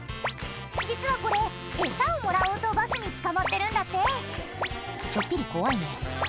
実はこれエサをもらおうとバスにつかまってるんだってちょっぴり怖いね